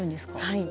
はい。